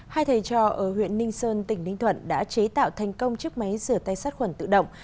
hai thầy trò ở huyện ninh sơn tỉnh ninh thuận đã chế tạo thành công chiếc máy rửa tay sát khuẩn tự động